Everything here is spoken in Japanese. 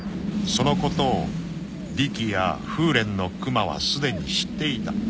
［そのことをリキや風連のクマはすでに知っていた］